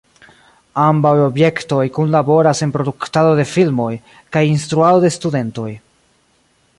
Ambaŭ objektoj kunlaboras en produktado de filmoj kaj instruado de studentoj.